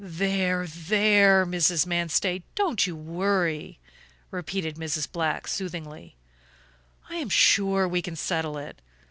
"There, there, Mrs. Manstey, don't you worry," repeated Mrs. Black, soothingly. "I am sure we can settle it.